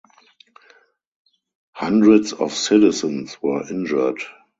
Hundreds of citizens were injured.